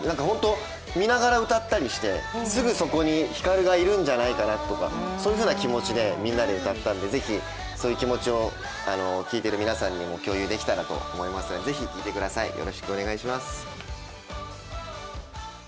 本当、見ながら歌ったりしてすぐそこに光がいるんじゃないかなというそういうふうな気持ちでみんなで歌ったんでぜひそういう気持ちを聞いている皆さんにも共有できたらと思いますので、ぜひ見てください。